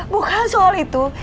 bukan soal itu